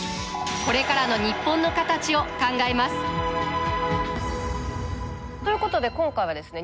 これからの日本の形を考えますということで今回はですね